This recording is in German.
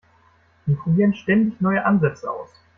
Die probieren ständig neue Ansätze aus.